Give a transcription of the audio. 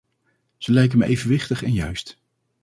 Ze lijken me evenwichtig en juist.